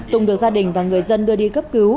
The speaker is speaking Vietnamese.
tùng được gia đình và người dân đưa đi cấp cứu